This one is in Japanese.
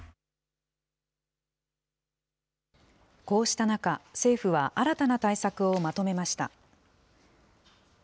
こうした中、政府は新たな対策をまとめました。